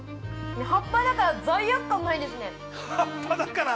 ◆葉っぱだから罪悪感ないですね。